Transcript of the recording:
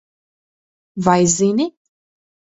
Vai zini?